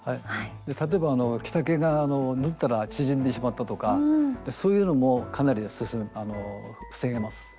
例えば着丈が縫ったら縮んでしまったとかそういうのもかなり防げます。